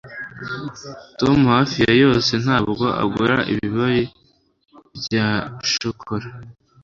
Tom hafi ya yose ntabwo agura ibibari bya shokora